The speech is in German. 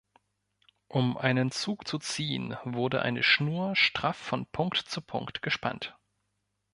Um einen "Zug" zu "ziehen", wurde eine Schnur straff von Punkt zu Punkt gespannt.